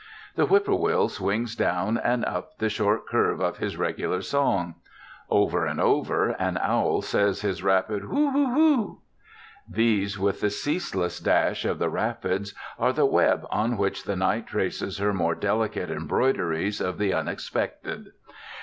The whippoorwill swings down and up the short curve of his regular song; over and over an owl says his rapid whoo, whoo, whoo. These, with the ceaseless dash of the rapids, are the web on which the night traces her more delicate embroideries of the unexpected.